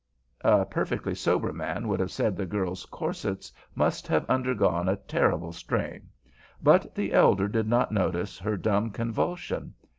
A perfectly sober man would have said the girl's corsets must have undergone a terrible strain, but the elder did not notice her dumb convulsion.